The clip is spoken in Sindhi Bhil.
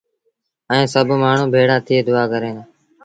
ائيٚݩ سڀ مآڻهوٚٚݩ ڀيڙآ ٿئي دُئآ ڪريݩ دآ